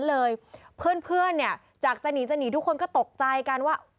เลยเพื่อนเนี่ยจากจะหนีจะหนีทุกคนก็ตกใจกันว่า